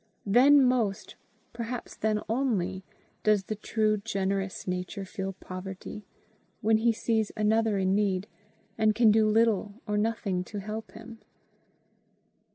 Then most, perhaps then only, does the truly generous nature feel poverty, when he sees another in need and can do little or nothing to help him.